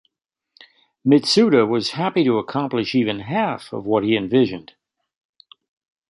Mitsuda was happy to accomplish even half of what he envisioned.